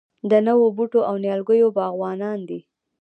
د نوو بوټو او نیالګیو باغوانان دي.